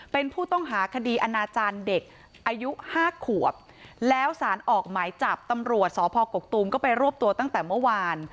เป็นผู้ต้องหาคดีอนาจารย์เด็กอายุห้าขวบแล้วสารออกหมายจับตำรวจสพกกตูมก็ไปรวบตัวตั้งแต่เมื่อวาน